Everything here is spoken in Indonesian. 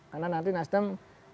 karena nanti nasdem